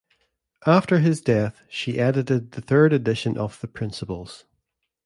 After his death she edited the third edition of the "Principles".